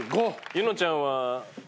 柚乃ちゃんは。